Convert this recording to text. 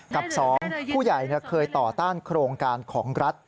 กับ๒ผู้ใหญ่เคยต่อต้านโครงการของรัฐ